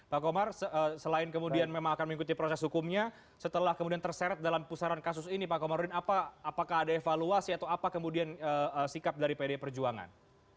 pak komar selain kemudian memang akan mengikuti proses hukumnya setelah kemudian terseret dalam pusaran kasus ini pak komarudin apakah ada evaluasi atau apa kemudian sikap dari pdi perjuangan